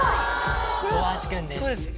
大橋君です。